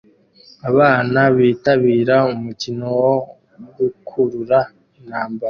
Abana bitabira umukino wo gukurura intambara